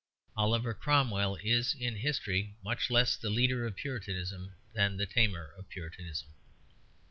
Oliver Cromwell is in history much less the leader of Puritanism than the tamer of Puritanism.